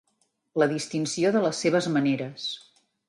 La distinció de les seves maneres.